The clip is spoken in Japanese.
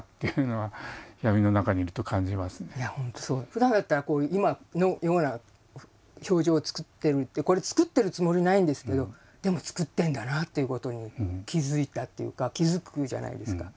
ふだんだったら今のような表情を作ってるこれ作ってるつもりないんですけどでも作ってるんだなっていうことに気付いたっていうか気付くじゃないですか。